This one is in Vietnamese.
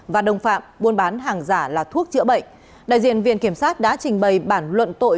và đồng phạm buôn bán hàng giả là thuốc chữa bệnh đại diện viện kiểm sát đã trình bày bản luận tội